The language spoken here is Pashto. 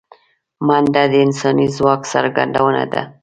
منډه د انساني ځواک څرګندونه ده